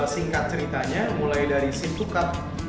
singkat ceritanya mulai dari sip ke cup